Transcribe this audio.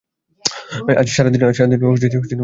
আজ সারাদিন খুব ছোটাছুটি করেছি।